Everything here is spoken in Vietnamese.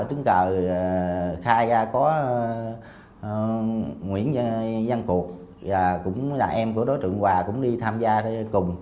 tính cào khai ra có nguyễn văn cuộc cũng là em của đối tượng hòa cũng đi tham gia cùng